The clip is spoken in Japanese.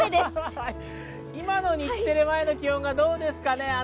今の日テレ前の気温はどうですかね？